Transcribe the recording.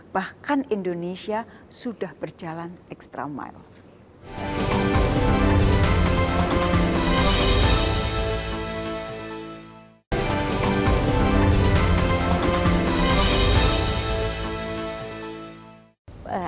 bahkan indonesia sudah berjalan extra mile